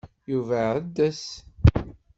Yuba iɛeḍḍes.